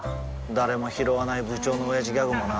誰もひろわない部長のオヤジギャグもな